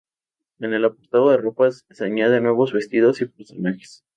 En el apartado de ropas, se añaden nuevos vestidos y personajes.